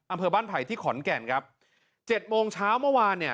อำเภอบ้านไผ่ที่ขอนแก่นครับเจ็ดโมงเช้าเมื่อวานเนี่ย